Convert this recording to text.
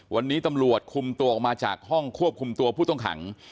วันนี้ตำรวจคุมตัวออกมาจากห้องควบคุมตัวผู้ต้องขัง